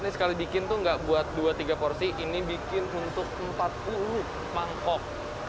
ini sekali bikin tuh nggak buat dua tiga porsi ini bikin untuk empat puluh mangkok